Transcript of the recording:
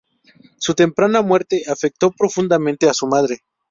Su temprana muerte afectó profundamente a su madre.